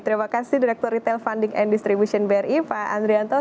terima kasih direktur retail funding and distribution bri pak andrianto